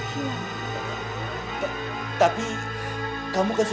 kamu kan sudah mati kan seri hati